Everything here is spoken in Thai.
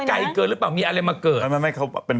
ก็มันไม่รู้ฉันไม่ดูเลยอ่ะอย่าไปเตื่อนเต้น